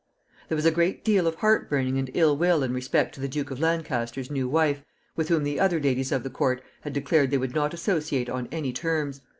There was a great deal of heartburning and ill will in respect to the Duke of Lancaster's new wife, with whom the other ladies of the court had declared they would not associate on any terms.